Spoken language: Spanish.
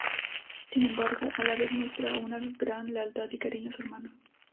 Sin embargo, a la vez muestra una gran lealtad y cariño a su hermano.